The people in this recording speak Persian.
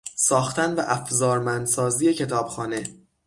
ساختن و افزارمند سازی کتابخانه